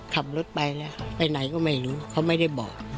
ขับรถไปแล้วไปไหนก็ไม่รู้เขาไม่ได้บอก